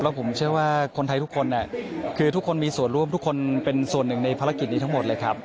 ผมเชื่อว่าคนไทยทุกคนคือทุกคนมีส่วนร่วมทุกคนเป็นส่วนหนึ่งในภารกิจนี้ทั้งหมดเลยครับ